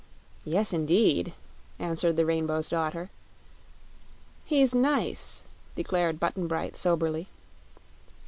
"Yes indeed," answered the Rainbow's Daughter. "He's nice," declared Button Bright, soberly.